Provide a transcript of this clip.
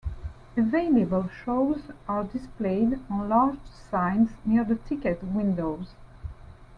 Available shows are displayed on large signs near the ticket windows.